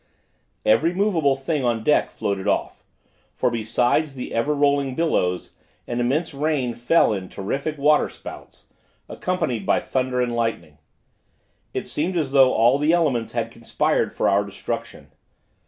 Every movable thing on deck floated off, for besides the ever rolling billows, an immense rain fell in terrific water spouts, accompanied by thunder and lightning. It seemed as though all the elements had conspired for our destruction.